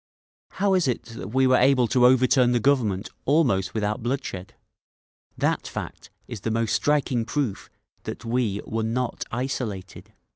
How is it that we were able to overturn the Government almost without bloodshed?…. That fact is the most striking proof that we _were not isolated.